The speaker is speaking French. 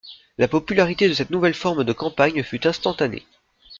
La popularité de cette nouvelle forme de campagne fut instantanée.